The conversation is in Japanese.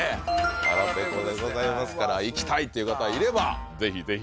腹ペコでございますからいきたいって方いればぜひぜひ。